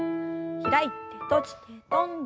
開いて閉じて跳んで。